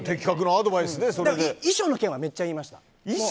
衣装の件は本当に言いました。